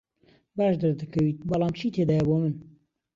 باش دەردەکەوێت، بەڵام چی تێدایە بۆ من؟